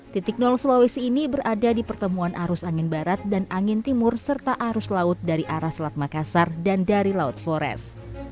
titik nol sulawesi ini berada di pertemuan arus angin barat dan angin timur serta arus laut dari arah selat makassar dan dari laut flores